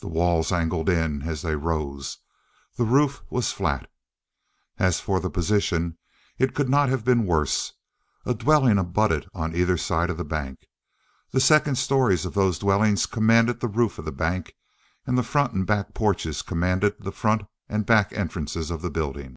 The walls angled in as they rose; the roof was flat. As for the position, it could not have been worse. A dwelling abutted on either side of the bank. The second stories of those dwellings commanded the roof of the bank; and the front and back porches commanded the front and back entrances of the building.